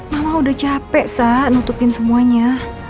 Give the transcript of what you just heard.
mama udah capek sak nutupin semuanya